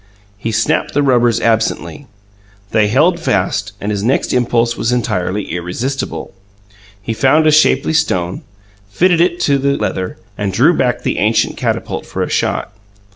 He snapped the rubbers absently. They held fast; and his next impulse was entirely irresistible. He found a shapely stone, fitted it to the leather, and drew back the ancient catapult for a shot.